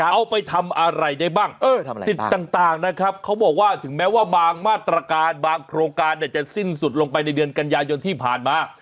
เอาไปทำอะไรได้บ้างสิทธิ์ต่างนะครับเขาบอกว่าถึงแม้ว่าบางมาตรการบางโครงการเนี่ยจะสิ้นสุดลงไปในเดือนกันยายนที่ผ่านมา